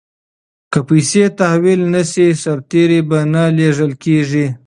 که پیسې تحویل نه شي سرتیري به نه لیږل کیږي.